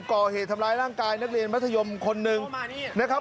ก่อเหตุทำร้ายร่างกายนักเรียนมัธยมคนหนึ่งนะครับ